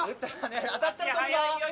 ・当たったら飛ぶぞ！